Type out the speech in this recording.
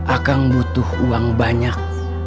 akang butuh uang banyak